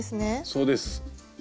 そうです。